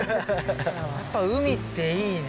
やっぱ海っていいね。